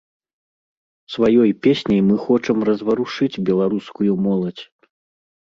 Сваёй песняй мы хочам разварушыць беларускую моладзь.